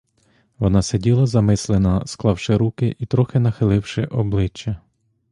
Вона сиділа замислена, склавши руки і трохи нахиливши обличчя.